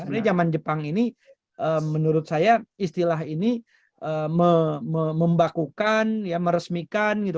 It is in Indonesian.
sebenarnya zaman jepang ini menurut saya istilah ini membakukan ya meresmikan gitu